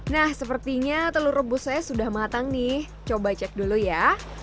nah sepertinya telur rebus saya sudah matang nih coba cek dulu ya